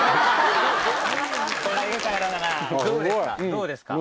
どうですか？